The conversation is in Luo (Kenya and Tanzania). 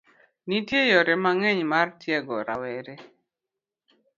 Nitie yore mang'eny mar tiego rawere.